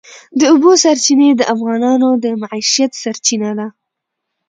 د اوبو سرچینې د افغانانو د معیشت سرچینه ده.